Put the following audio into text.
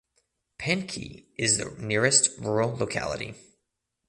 Panki is the nearest rural locality.